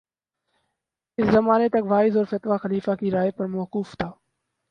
اس زمانے تک وعظ اور فتویٰ خلیفہ کی رائے پر موقوف تھا